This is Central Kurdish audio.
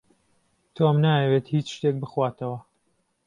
تۆم نایەوێت هێچ شتێک بخواتەوە.